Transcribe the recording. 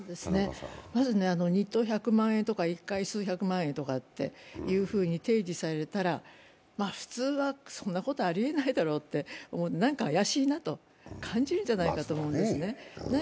まず日当１００万円とか１回数百万円とか提示されたら、普通はそんなことありえないだろうとなんか怪しいなと感じるんじゃないかと思うんですね。